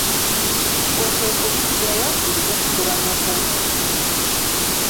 Ggwe kwe kubiggyayo, bireme kutoba n'okwonooneka.